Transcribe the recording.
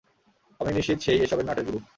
আমি নিশ্চিত সে-ই এসবের নাটের গুর।